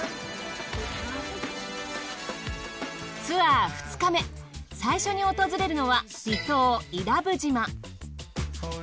ツアー２日目最初に訪れるのは離島伊良部島。